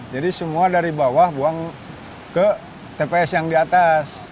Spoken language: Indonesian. semua dari bawah buang ke tps yang di atas